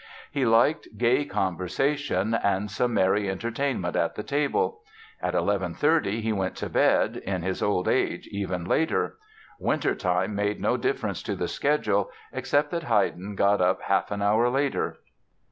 He liked gay conversation and some merry entertainment at the table. At 11.30 he went to bed, in his old age even later. Wintertime made no difference to the schedule, except that Haydn got up half an hour later."